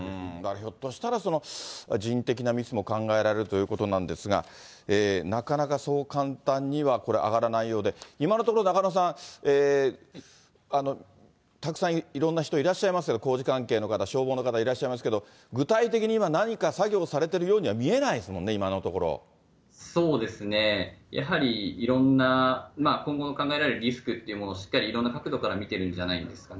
ひょっとしたら、人的なミスも考えられるということなんですが、なかなかそう簡単には、これ、上がらないようで、今のところ、中野さん、たくさんいろんな人いらっしゃいますけど、工事関係の方、消防の方いらっしゃいますけど、具体的に今、何か作業されてるようには見えないですもんね、そうですね、やはりいろんな今後考えられるリスクというものをしっかりいろんな角度から見てるんじゃないですかね。